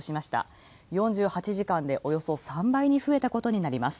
４８時間で３倍に増えたことになります。